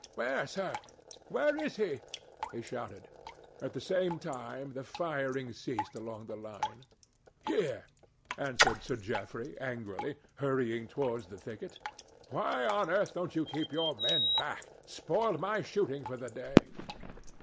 "Where, sir? Where is he?" he shouted. At the same time, the firing ceased along the line. "Here," answered Sir Geoffrey angrily, hurrying towards the thicket. "Why on earth don't you keep your men back? Spoiled my shooting for the day."